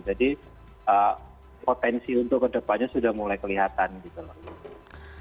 jadi potensi untuk kedepannya sudah mulai kelihatan gitu loh